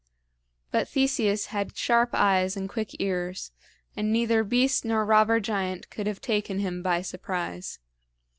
But Theseus had sharp eyes and quick ears, and neither beast nor robber giant could have taken him by surprise.